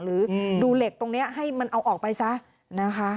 หรือดูเหล็กตรงนี้ให้มันเอาออกไปซะนะคะ